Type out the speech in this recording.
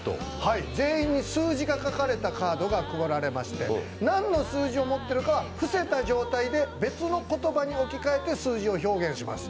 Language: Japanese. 全員に数字が書かれたカードが配られまして、何の数字を持っているかは伏せた状態で別の言葉に置き換えて数字を表現します。